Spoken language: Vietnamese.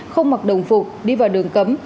không mặc đồng phục đi vào đường cấm